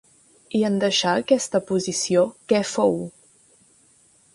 I en deixar aquesta posició, què fou?